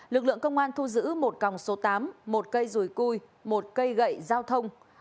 lực lượng công an thu giữ một còng số tám một cây rùi cui một cây gậy giao thông